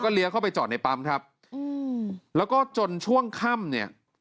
เลี้ยเข้าไปจอดในปั๊มครับอืมแล้วก็จนช่วงค่ำเนี่ย